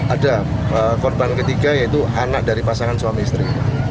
ada korban ketiga yaitu anak dari pasangan suami istri